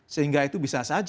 sehingga itu bisa saja